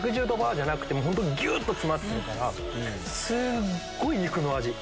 じゃなくて本当にギュっと詰まってるからすっごい肉の味。